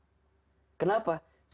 jangan pernah putus asa dengan rahmat allah